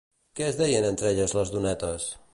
Què es deien entre elles les donetes?